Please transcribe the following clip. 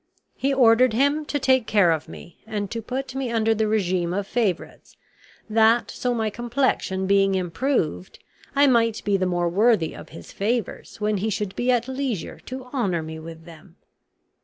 He ordered him to take care of me, and to put me under the regimen of favorites, that so my complexion being improved, I might be the more worthy of his favors when he should be at leisure to honor me with them.